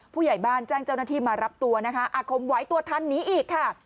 ผู้ใหญ่บ้านแจ้งเจ้าหน้าที่มารับตัวนะคะอาคมไหวตัวทันหนีอีกค่ะ